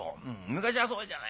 昔はそうじゃないもん。